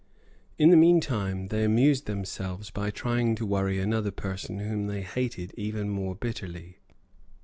In the meantime they amused themselves by trying to worry another person whom they hated even more bitterly.